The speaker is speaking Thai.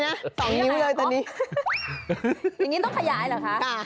อย่างนี้ต้องขยายเหรอคะ